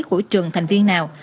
của trường thành viên nào